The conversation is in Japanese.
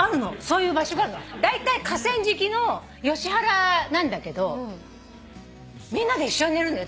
だいたい河川敷のヨシ原なんだけどみんなで一緒に寝るのよ